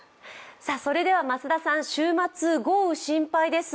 それでは増田さん、週末、豪雨心配です。